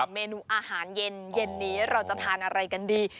เยอะมากเลยจากเมนูอาหารเย็นนี้เราจะทานอะไรกันดี